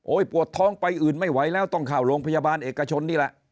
อุ๊ยปวดท้องไปอื่นไม่ไหวแล้วต้องจ่าวโรงพยาบาลเอกชนที่ไร